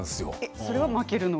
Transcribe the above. それは負けるのが？